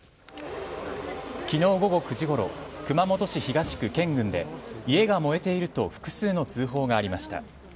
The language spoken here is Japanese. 昨日午後９時ごろ熊本市東区健軍で家が燃えていると複数の通報がありました．